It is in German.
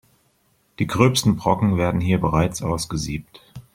Die gröbsten Brocken werden hier bereits ausgesiebt.